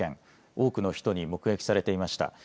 多くの人に目撃されていました。